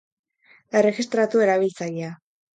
Erregistratu erabiltzailea.